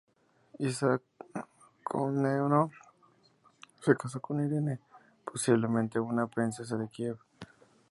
Isaac Comneno se casó con Irene, posiblemente una princesa de Kiev.